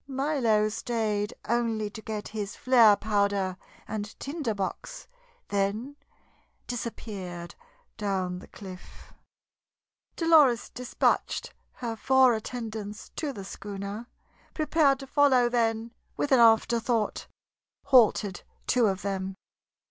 Milo stayed only to get his flare powder and tinder box, then disappeared down the cliff. Dolores despatched her four attendants to the schooner, prepared to follow, then, with an afterthought, halted two of them.